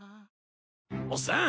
おっさん